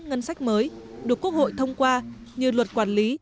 ngân sách mới được quốc hội thông qua như luật quản lý